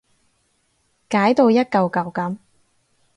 解到一舊舊噉